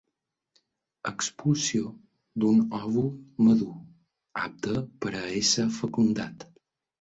Expulsió d'un òvul madur, apte per a ésser fecundat.